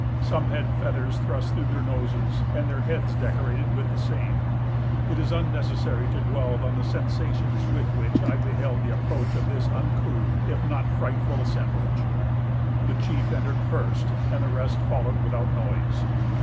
Some had feathers thrust through their noses, and their heads decorated with the same. It is unnecessary to dwell on the sensations with which I beheld the approach of this uncouth, if not frightful assemblage. "The chief entered first, and the rest followed without noise.